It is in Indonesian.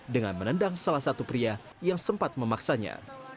dengan menendang salah satu pria yang sempat memaksanya